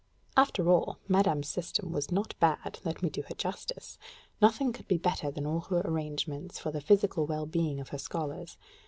After all, madame's system was not bad let me do her justice. Nothing could be better than all her arrangements for the physical well being of her scholars.